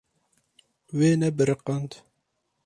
Wê nebiriqand.